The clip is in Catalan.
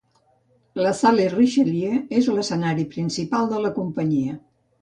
La Salle Richelieu és l'escenari principal de la companyia.